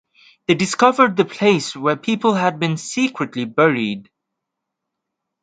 They discovered the place where people had been secretly buried.